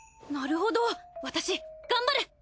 なるほど私頑張る！